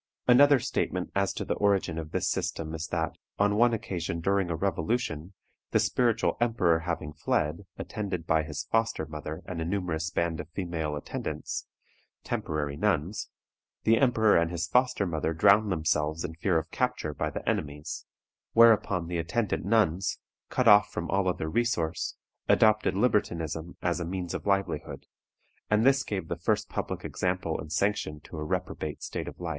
Another statement as to the origin of this system is that, on one occasion during a revolution, the spiritual emperor having fled, attended by his foster mother and a numerous band of female attendants, temporary nuns, the emperor and his foster mother drowned themselves in fear of capture by the enemies; whereupon the attendant nuns, cut off from all other resource, adopted libertinism as a means of livelihood, and this gave the first public example and sanction to a reprobate state of life.